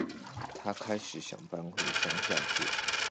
她開始想搬回鄉下住